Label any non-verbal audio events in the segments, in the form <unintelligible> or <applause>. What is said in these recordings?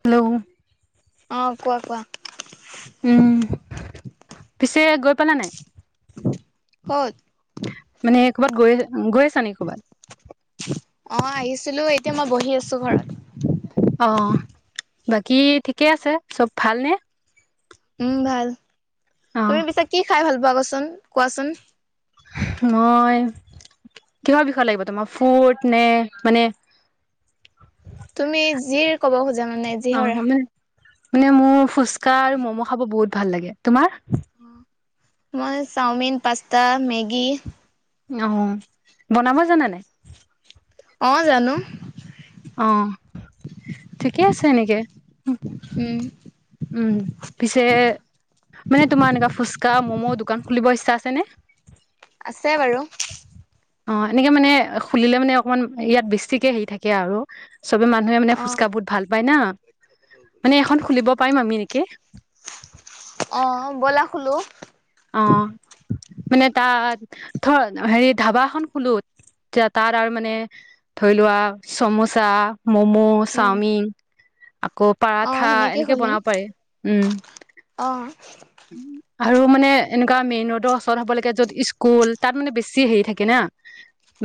Hello. অ' কোৱা কোৱা। উম পিছে গৈ পালা নাই? ক'ত? মানে ক'ৰবাত গৈ, গৈ আছা নি ক'ৰবাত? অ আহিছিলো। এতিয়া মই বহি আছো ঘৰত। অ' বাকী ঠিকে আছে। চব ভালনে? উম ভাল। অ তুমি পিছে কি খাই ভাল পোৱা কচোন কোৱাচোন? মই কিহৰ বিষয় লাগিব তোমাৰ ফুত নে মানে তুমি যি ক'ব খোজা মানে যি অ হয় মানে মানে মোৰ ফুচকা আৰু মম' খাব বহুত ভাল লাগে। তোমাৰ? মই চাওমিন, পাস্তা, মেগি অ' বনাব জানানে? অ' জানো। নেকি উম উম। পিছে, মানে তোমাৰ কেনেকা ফুচকা মমো দোকান খুলিব ইচ্ছা আছেনে? আছে বাৰু। অ' এনেকে মানে খুলিলে মানে অকমান ইয়াত বেছিকে হেৰি থাকে আৰু। চবে মানুহে মানে অ ফুচকা বহুত ভাল পায় না। মানে এখন খুলিব পাৰিম আমি এনেকে। অ ব'লা খুলোঁ। অ' মানে তাত ধ হেৰি ধাবা এখন খোলো। এতিয়া তাত আৰু মানে ধৰি লোৱা চামোচা, মম', উম চাওমিন আকৌ অ পাৰঠা সেনেকে এনেকে খুলিম বনাব পাৰি। উম। অ আৰু মানে এনেকুৱা মেইন ৰোডৰ ওচৰত হ'ব লাগে। য'ত স্কুল, তাত মানে বেছি হেৰি থাকে না।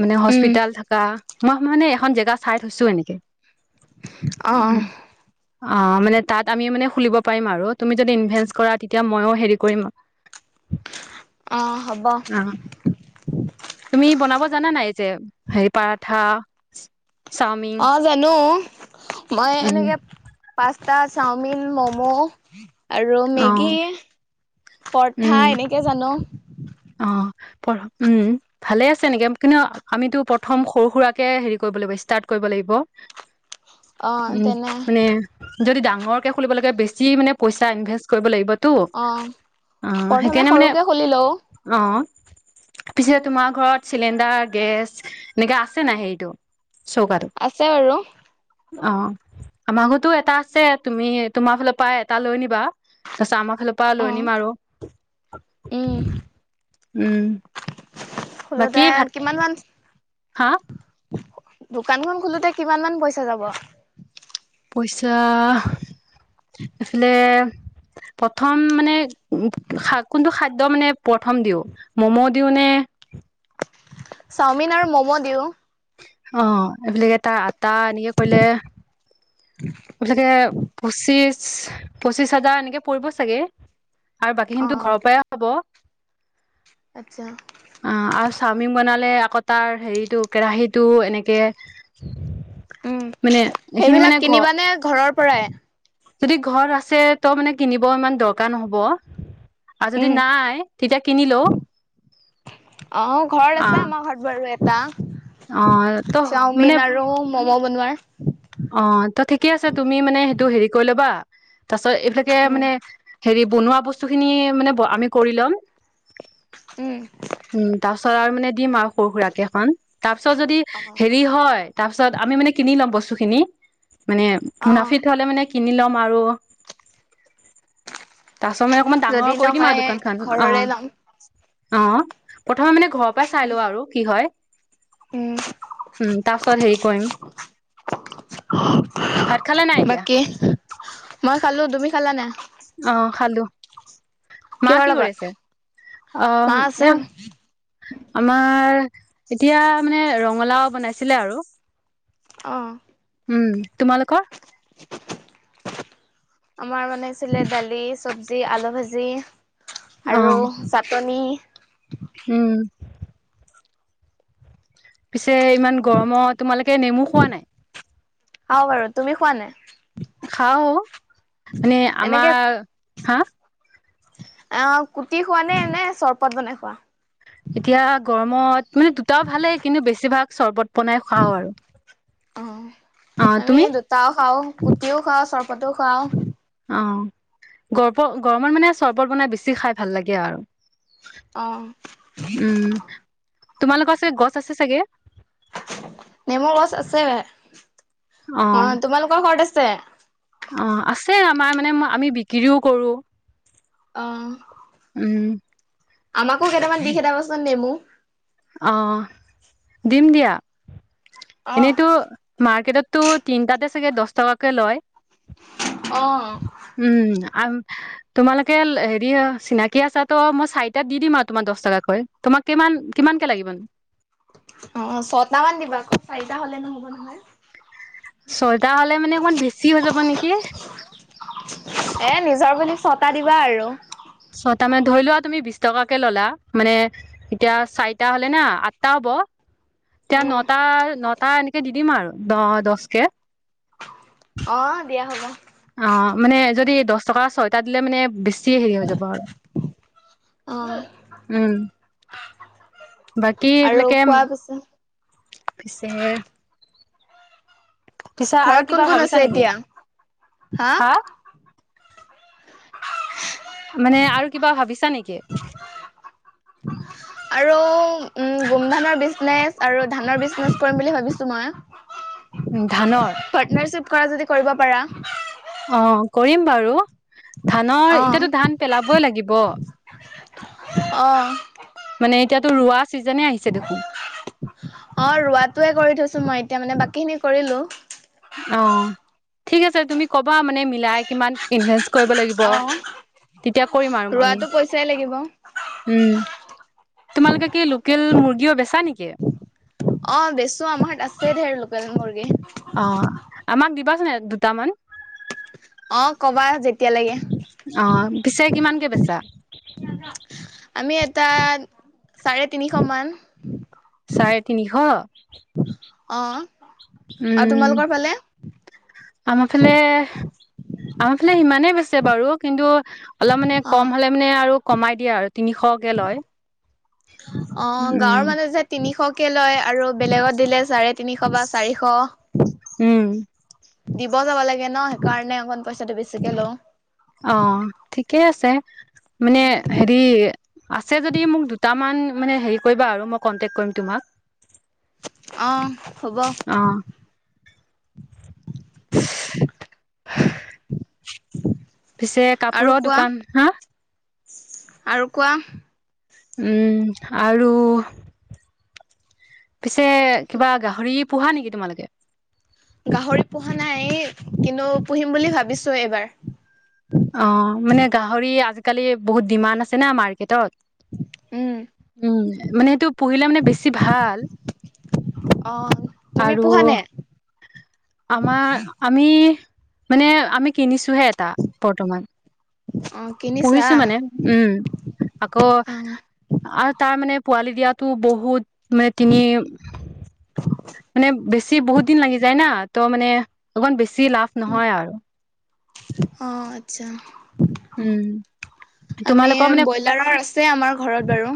মানে উম হস্পিতাল থকা। মই মানে এখন জেগা চাই থৈছো এনেকে। অ', উম অ'। অ' মানে তাত আমি মানে খুলিব পাৰিম আৰু। তুমি যদি ইনভেষ্ট কৰা তেতিয়া মইও হেৰি কৰিম <inaudible> অ হ'ব অ' তুমি বনাব জানা নাই যে হেৰি, পাৰঠা অ জানো। মই উম এনেকে পাঁচটা চাওমিন মম' আৰু অ মেগি পৰঠা উম এনেকে জানো অ', পঢ উম, ভালে আছে নেকি কিন্তু আমিতো প্ৰথম সৰু - সুৰাকে হেৰি কৰিব লাগিব ষ্টাৰ্ট কৰিব লাগিব। <unintelligible> অ' উম তেনে মানে যদি ডাঙৰকে খুলিব লাগে বেছি মানে পইচা ইনভেষ্ট কৰিব লাগিব। তো অ অ' প্ৰথমে সেইকাৰণে মানে সৰুকে খুলি লও অ, পিছে তোমাৰ ঘৰত চিলিণ্ডাৰ গেছ এনেকে আছে নাই হেৰিটো। চৌকাটো আছে বাৰু। অ, আমাৰ ঘৰতো এটা আছে তুমি তোমাৰ ফালৰ পা এটা লৈ আনিবা তাৰপিছত আমাক ফালৰ পা অ লৈ আনিম আৰু উম উম। বাকী খোলোতে ভাত কিমান মান হা! দোকানখন খুলোতে কিমান মান পইচা যাব। পইচা এইফালে প্ৰথম মানে উম কোনটো খাদ্য মানে প্ৰথম দিওঁ মম' দিওঁ নে <inaudible> চাওমিন আৰু ম'ম' দিওঁ। অ, এইবিলাকে এটা আটা এনেকে কৰিলে। মূঠতে পঁচিশ পঁচিশ হাজাৰ এনেকে পৰিব চাগে। আৰু বাকী অ খিনিতো ঘৰৰ পৰাই হ'ব। আচ্ছা অ', আৰু চাওমিন বনালে কটাৰ হেৰিটো কেৰাহীটো এনেকে উম মানে এইখিনি সেইবিলাক মানে ঘৰ কিনিবানে ঘৰৰ পৰাই যদি ঘৰত আছে তো মানে কিনিব ইমান দৰকাৰ নহব। আৰু যদি উম, নাই তেতিয়া কিনিলও অ, ঘৰত আছে আমাৰ ঘৰত বাৰু এটা অ ত মানে চাওমিন আৰু মম' বনোৱাৰ। অ', ত' ঠিকে আছে তুমি মানে সেইটো হেৰি কৰি ল'বা তাৰ এইবিলাকে উম মানে হেৰি বনোৱা বস্তু খিনি মানে আমি কৰি ল'ম। উম উম তাৰপিছত আৰু মানে দিম আৰু সৰু সুৰা কে এখন। তাৰপিছত যদি অ হেৰি হয় তাৰপিছত আমি মানে কিনি লম বস্তুখিনি। মানে অ মুনাফিত হলে মানে কিনি ল'ম আৰু তাৰপিছত মানে অকমান যদি ডাঙৰ কৰি দিম আৰু নহয় দোকান খন অ, ঘৰৰে ল'ম অ'। প্ৰথমে মানে ঘৰৰ পৰা চাই লোৱা আৰু কি হয়। উম, তাৰ পাছত হেৰি কৰিম। ভাত খালে নাই এতিয়া বাকী মই খালো, তুমি খালানে? অ' খালো। মা কিহৰ কি কৰি লগত আছে? মা অ' আছে এ আমাৰ এতিয়া মানে ৰঙালাও বনাইছিলে আৰু অ' উম তোমালোকৰ আমাৰ মানে আছিলে দালি, চব্জি, আলু ভাজি। আৰু অ', চাটনি। উম। পিছে ইমান গৰমৰ তোমালোকে নেমু খোৱা নাই। খাও বাৰু তুমি খোৱা নাই। খাও মানে আমাৰ হা! অ, কুটি খোৱা নে নে চৰবত বনাই খোৱা? এতিয়া গৰমত মানে দুটাও ভালেই কিন্তু বেছিভাগ চৰ্বত। বনাই খাও আৰু অ, অ আমি তুমি দুটাও খাওঁ কুটিও খাওঁ চৰবত পতো খাওঁ। অ, গৰ গৰমত মানে চৰবত বনাই বেছি খাই ভাল লাগে আৰু। অ উম ', তোমালোকৰ চাগে গছ আছে চাগে। নেমৰ গছ আছে অ অ, তোমালোকৰ ঘৰত আছে। অ, আছে আমাৰ মানে আমি বিক্ৰীও কৰো। অ ', উম, আমাকো কেইটামান দি খেদবাচোন নেমু। অ, দিম দিয়া অ এনেইতো মাৰ্কেটত টো তিনটাতে চাগে দহ টকাকে লয়। অহ ', উম তোমালোকে হেৰি চিনাকি আছা তো মই চাৰিটাত দি দিম আৰু তোমাৰ দহ টকাকৈ। তোমাক কিমান-কিমান কে লাগিব। অ, ছট মান দিবা আকৌ চাৰিটা হলে নহ'ব নহয়। ছয়টা হলে মানে অকমান বেছি হৈ যাব নেকি? এটা দিবা আৰু। ছটা মানে ধৰি লোৱা তুমি বিশ টকাকে ললা মানে এতিয়া চাৰিটা হলে না আঠটা হ'ব এতিয়া উম নটা নটা এনেকে দি দিম আৰু ন দছকে অ দিয়া হ'ব অ মানে যদি দহ টকা ছয়টা দিলে মানে বেছি হেৰি হৈ যাব আৰু অ উম বাকী আৰু এইফালেকে কোৱা পিছে পিছে পিছে আৰু ঘৰত কিবা কোন কোন ভাবিছা আছে নেকি এতিয়া হা <unintelligible> মানে আৰু কিবা ভাবিছা নেকি? আৰু গোমধানৰ বিজনেচ আৰু ধানৰ বিজনেচ কৰিম বুলি ভাবিছো মই উম ধানৰ পাৰ্টনাৰশ্বিপ কৰা যদি কৰিব পাৰা অ কৰিম বাৰু ধানৰ অঁ এতিয়াতো ধান পেলাবই লাগিব মানে অ এতিয়াতো ৰোৱা চিজনে আহিছে দেখোন অ ৰোৱাটোৱে কৰি থৈছো মই এতিয়া মানে বাকী খিনি কৰিলো অ ঠিক আছে তুমি কবা মানে মিলাই কিমান ইনভেষ্ট কৰিব লাগিব অঁ তেতিয়া কৰিম আৰু আমি ৰোৱাটো পইচাই লাগিব। উম তোমালোকে কি লোকেল মুৰ্গীও বেচা নেকি অ বেচো আমাৰ ঘৰত আছে ধেৰ লোকেল মুৰ্গী অ আমাক দিবাচান দুটামান অ কবা যেতিয়া লাগে অ পিছে কিমানকে বেচা আমি এটাত চাৰে তিনিশ মান চাৰে তিনিশ। অ'। উম, আমফালে আমাৰ ফালে সিমানে বেছে বাৰু কিন্তু অলপ মানে অঁ কম হলে মানে আৰু কমাই দিয়ে আৰু। তিনিশকে লয়। অ' গাঁৱৰ উম মানুহ যে তিনিশকে লয় আৰু বেলেগত দিলে চাৰে তিনিশ বা চাৰিশ। উম দিব যাব লাগে ন, সেইকাৰণে অকন পইচাটো বেছিকে লওঁ। অ' ঠিকেই আছে। মানে উম। হেৰি, আছে যদি মোক দুটামান মানে হেৰি কৰিবা আৰু, মই কন্টেক কৰিম তোমাক। অহ' হব। অ <unintelligible> পিছে আৰু কাপোৰৰ কোৱা দোকান, হা আৰু কোৱা। উম আৰু পিছে কিবা গাহৰি পোহা নেকি তোমালোকে? গাহৰি পোহা নাই, কিন্তু পুহিম বুলি ভাবিছো এইবাৰ। কালি বহুত ডিমাণ্ড আছে না মাৰ্কেটত। উম। উম মানে সেইটো পুহিলে মানে বেছি ভাল। অ' তুমি আৰু পোহা নে? আমাৰ আমি মানে আমি কিনিছোহে এটা বৰ্তমান। অ' কিনিছা পুহিছো মানে উম আকৌ অ'। আৰু তাৰ মানে পোৱালি দিয়াত তো বহুত মানে তিনি মানে বেছি বহুত দিন লাগি যায় না। তো মানে অকমান বেছি লাভ নহয় আৰু। অহ আচ্ছা। উম। আমি তোমালোকৰ মানে ব্ৰইলাৰৰ আছে আমাৰ ঘৰত বাৰু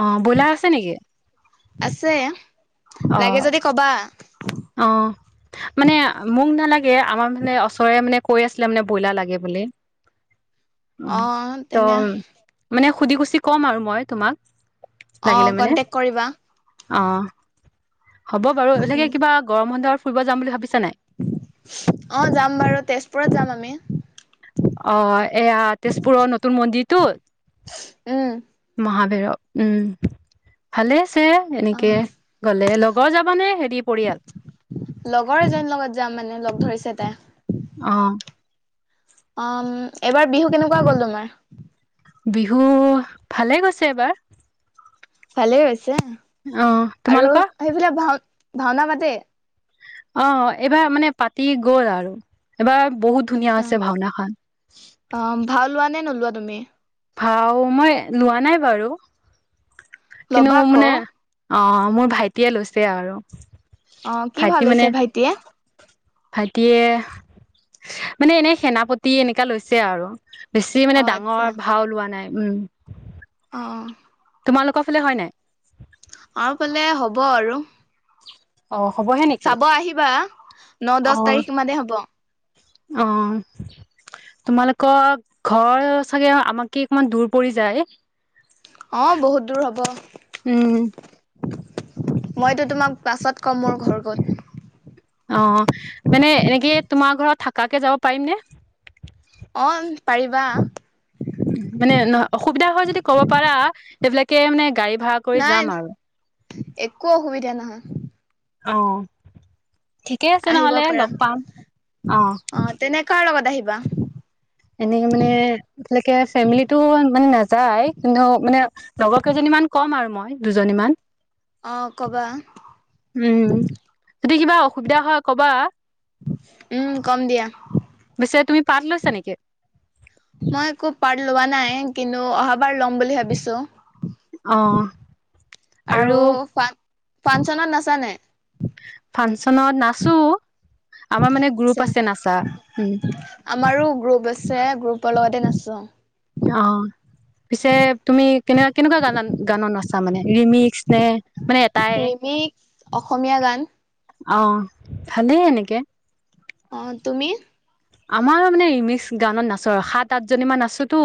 অ', ব্ৰইলাৰ আছে নেকি? আছে। লাগে অ', যদি ক'বা অ', মানে মোক নালাগে আমাৰ মানে ওচৰে মানে কৈ আছিলে মানে ব্ৰইলাৰ লাগে বুলি। অহ অ' ত', তেনে মানে সুধি কুছি কম আৰু মই তোমাক। লাগিলে অ', মানে কণ্টেক কৰিবা। অ', হ'ব বাৰু এহিলাকে উম। কিবা গৰম বন্ধ ফুৰিব যাম বুলি ভাবিছা নাই। অ', যাম বাৰু তেজপুৰত যাম আমি। অ', এয়া তেজপুৰৰ নতুন উম মন্দিৰটোত। মহাভৈৰৱ উম ভালে আছে অ এনেকে গ'লে লগৰ যাব নে লগৰ এজন লগত যাম মানে লগ ধৰিছে তাই। অহ। উম এবাৰ বিহু কেনেকুৱা গ'ল তোমাৰ? বিহু ভালে গৈছে এবাৰ। ভালেই হৈছে অ আৰু তোমালোকৰ সেইবিলাক ভাও ভাওনা পাতে? অ', এইবাৰ মানে পাতি গ'ল আৰু এইবাৰ বহুত ধুনীয়া আচ্ছা আছে ভাওনাখান। একমে <unintelligible> ভাও মই লোৱা নাই বাৰু। কিন্তু ল'বা আকৌ মানে অ', মোৰ ভাইটিয়ে লৈছে আৰু অ', কি ভাও ভাইটি মানে লৈছে ভাইটিয়ে? ভাইটিয়ে মানে এনে সেনাপতি এনেকা লৈছে আৰু। বেছি অ মানে আচ্ছা ডাঙৰ ভাও লোৱা নাই উম। অ'। তোমালোকৰ ফালে হয় নাই। আমাৰফালে হ'ব আৰু। অ হ'বহে নেকি চাব আহিবা ন অ দহ তাৰিখ মানে হ'ব। অ'। তোমালোকৰ ঘৰ চাগে আমাকে অকমান দূৰ পৰি যায়। অ', বহুত দূৰ হব। উম, মইতো তোমাক বাছত ক'ম মোৰ ঘৰ ক'ত। অ', মানে এনেকে তোমাৰ ঘৰত থাকাকে যাব পাৰিম নে। অ' পাৰিবা। মানে নহ অসুবিধা হয় যদি ক'ব পাৰা সবিলাকে মানে গাড়ী ভাড়া কৰি নাই যাম আৰু। একো অসুবিধা নহয়। অ, ঠিকেই আছে আহিব নহ'লে পাৰা লগ পাম অ। কাৰ লগত আহিবা? এনেকে মানে এতিয়ালৈকে ফেমিলিটো মানে নাযায় কিন্তু মানে লগৰ কেইজনী মান ক'ম আৰু মই দুজনী মান অ কবা। উম, যদি কিবা অসুবিধা হয় কবা। উম কম দিয়া। পিছে তুমি পাত লৈছা নেকি? মই একো পাৰ্ট লোৱা নাই কিন্তু অহাবাৰ ল'ম বুলি ভাবিছোঁ। অ', আৰু ফাংচনত নাচানে? ফাংচনত নাচো। আমাৰ মানে গ্ৰুপ আছে নাচা উম আমাৰো গ্ৰুপ আছে গ্ৰুপ গ্ৰুপৰ লগতে নাচো। অ'। পিছে তুমি কেনে কেনেকুৱা গান গানত নচা মানে ৰিমিক্স নে মানে এটাই ৰিমিক অসমীয়া গান। অ, ভালেই এনেকে। অ তুমি? আমাৰ মানে ৰিমিক্স গানত নাচো আৰু সাত আঠজনী মান নাচোতো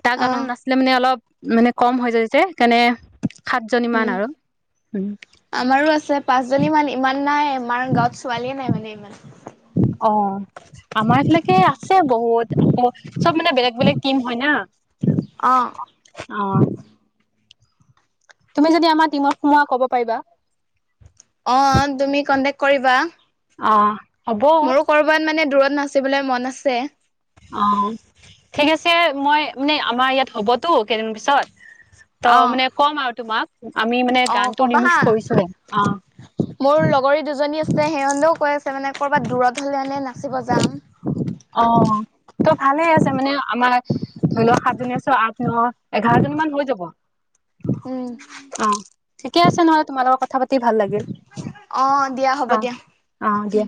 এটা অ গানত নাচে মানে অলপ মানে কম হৈ যায় যে কেণে উম আমাৰো আছে পাঁচজনী মালিক ইমান নাই আমাৰ গাঁৱত ছোৱালীয়ে নাই মানে ইমান অ'। আমাৰ এইফালকে আছে বহুত আকৌ চব মানে বেলেগ বেলেগ টিম হয় না। অ'। অ তুমি যদি আমাৰ টিমত সোমোৱা ক'ব পাৰিবা। অ তুমি কন্টেক্ট কৰিবা অ'। হ'ব মোৰো কৰবাত মানে দূৰত নাচিবলৈ মন আছে। অ ঠিক আছে মই মানে আমাৰ ইয়াত হ'বতো কেইদিন পিছত ত' অ মানে কম আৰু তোমাক আমি মানে অ গানটো কবা ৰিমিঊ হা কৰিছোঁ হে অ। মোৰ লগৰী দুজনী আছে সিহঁতেও কৈ আছে মানে ক'ৰবাত দূৰত হলে মানে নাচিব যাম। অ ত' ভালে আছে মানে আমাৰ ধৰি লোৱা সাতজনী আছ আঠ ন এঘাৰজনী মান হৈ যাব। উম অ, ঠিকে আছে নহলে তোমাৰ লগত কথা পাতি ভাল লাগিল। অ, দিয়া হ'ব অ দিয়া। অ দিয়া